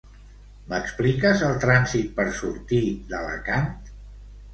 M'expliques el trànsit per sortir d'Alacant?